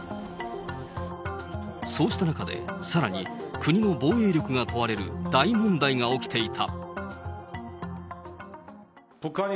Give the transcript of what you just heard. そうした中で、さらに国の防衛力が問われる大問題が起きていた。